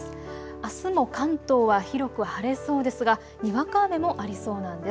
あすも関東は広く晴れそうですが、にわか雨もありそうなんです。